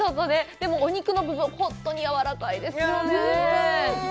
でも、お肉の部分、本当にやわらかいですよね。